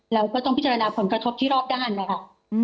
แล้วก็ต้องพิจารณาผลกระทบที่รอบด้านนะคะ